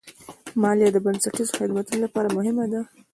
مالیه د بنسټیزو خدماتو لپاره مهمه ده.